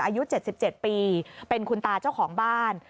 อายุ๗๗ปีเป็นคุณตาเจ้าของบ้าน